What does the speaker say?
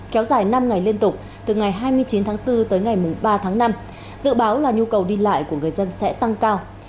kéo dài năm ngày liên tục từ ngày hai mươi chín tháng bốn tới ngày ba tháng năm dự báo là nhu cầu đi lại của người dân sẽ tăng cao